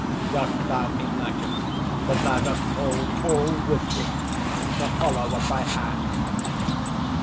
Dost thou imagine that thou dost hold all wisdom in the hollow of thy hand?"